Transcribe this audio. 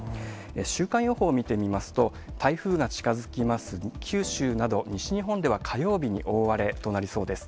週間予報を見てみますと、台風が近づきます九州など、西日本では火曜日に大荒れとなりそうです。